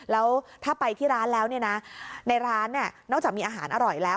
แล้วถ้าไปที่ร้านแล้วเนี่ยนะในร้านนอกจากมีอาหารอร่อยแล้ว